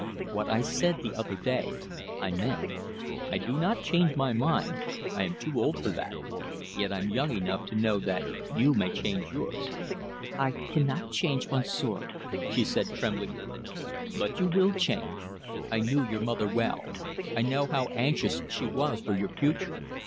"What I said the other day I meant. I do not change my mind I am too old for that. Yet I'm young enough to know that you may change yours." "I cannot change, Monsieur," she said tremblingly. "But you will change. I knew your mother well, I know how anxious she was for your future.